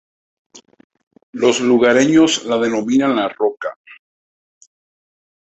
Los lugareños lo denomina la Roca.